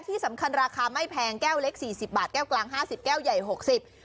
ที่สำคัญราคาไม่แพงแก้วเล็ก๔๐บาทแก้วกลาง๕๐บาทแก้วใหญ่๖๐บาท